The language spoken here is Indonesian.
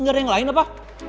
gak ada yang lain apa